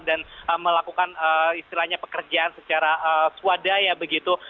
dan melakukan istilahnya pekerjaan secara swadaya begitu